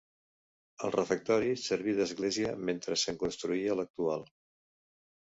El refectori serví d'església mentre se'n construïa l'actual.